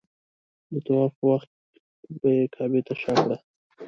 د طواف په وخت به یې کعبې ته شا کړه.